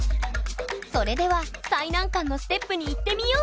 それでは最難関のステップに行ってみよう！